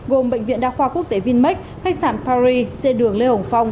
gồm bệnh viện đa khoa quốc tế vinmec khách sạn paris trên đường lê hồng phong